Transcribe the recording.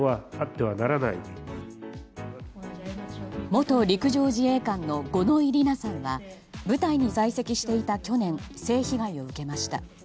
元陸上自衛官の五ノ井里奈さんは部隊に在籍していた去年性被害を受けました。